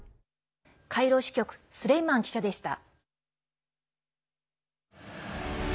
カイロ支局スレイマン記者でした。